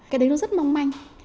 cái đấy nó rất mong manh